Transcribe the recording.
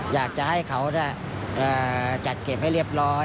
อยากจะให้เขาจัดเก็บให้เรียบร้อย